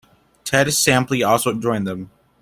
Ted Sampley also joined them.